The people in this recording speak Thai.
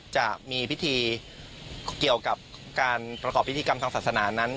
จะมีพิธีเกี่ยวกับการประกอบพิธีกรรมทางศาสนานั้น